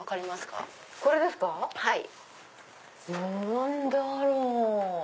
何だろう？